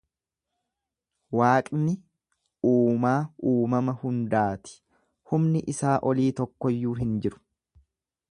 Waaqni Uumaa Uumama hundaati. Humni isaa olii tokkoyyuu hin jiru.